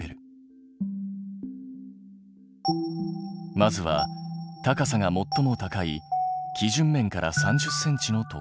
まずは高さがもっとも高い基準面から３０ｃｍのところ。